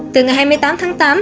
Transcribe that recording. từ ngày hai mươi tám tháng tám